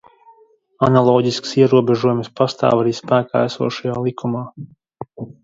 Analoģisks ierobežojums pastāv arī spēkā esošajā likumā.